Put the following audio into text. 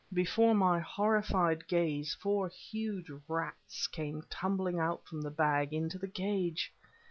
Before my horrified gaze four huge rats came tumbling out from the bag into the cage!